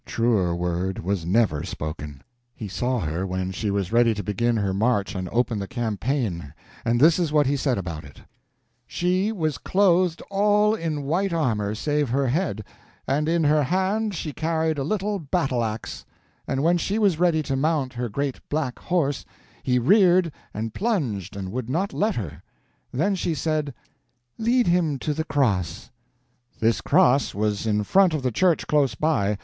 Truer word was never spoken. He saw her when she was ready to begin her march and open the campaign, and this is what he said about it: "She was clothed all in white armor save her head, and in her hand she carried a little battle ax; and when she was ready to mount her great black horse he reared and plunged and would not let her. Then she said, 'Lead him to the cross.' This cross was in front of the church close by.